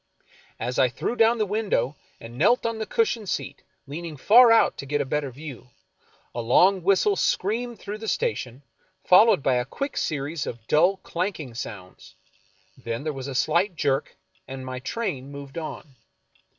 As I threw down the window and knelt on the cushioned seat, leaning far out to get a better view, a long whistle screamed through the sta tion, followed by a quick series of dull, clanking sounds; then there was a slight jerk, and my train moved on.